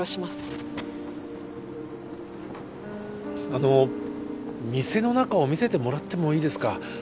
あの店の中を見せてもらってもいいですか？